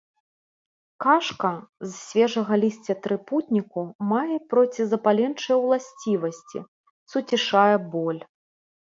Кашка з свежага лісця трыпутніку мае процізапаленчыя ўласцівасці, суцішае боль.